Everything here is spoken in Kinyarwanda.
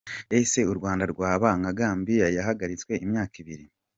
Ese u Rwanda rwaba nka Gambia yahagaritswe imyaka ibiri ?.